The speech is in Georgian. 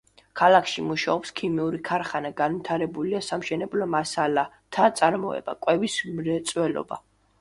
ქალაქში მუშაობს ქიმიური ქარხანა, განვითარებულია სამშენებლო მასალათა წარმოება, კვების მრეწველობა.